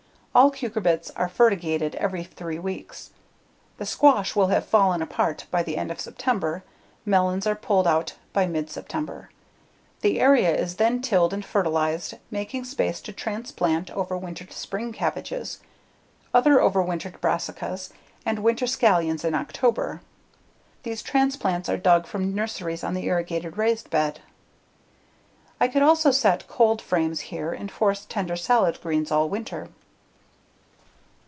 All cucurbits are fertigated every three weeks. The squash will have fallen apart by the end of September, melons are pulled out by mid September. The area is then tilled and fertilized, making space to transplant overwintered spring cabbages, other overwintered brassicas, and winter scallions in October. These transplants are dug from nurseries on the irrigated raised bed. I could also set cold frames here and force tender salad greens all winter.